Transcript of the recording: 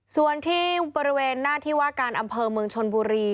ส่วนที่บริเวณหน้าที่ว่าการอำเภอเมืองชนบุรี